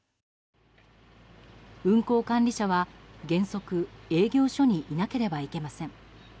運航管理者は原則営業所にいなければいけません。